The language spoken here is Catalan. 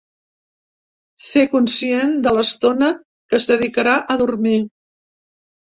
Ser conscient de l’estona que es dedicarà a dormir.